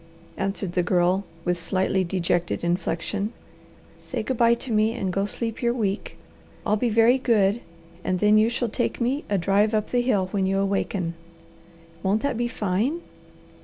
answered the Girl with slightly dejected inflection. "Say good bye to me, and go sleep your week. I'll be very good, and then you shall take me a drive up the hill when you awaken. Won't that be fine?"